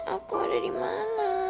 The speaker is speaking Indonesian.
aku udah dimana